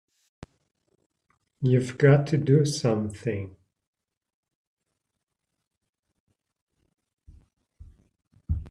You've got to do something!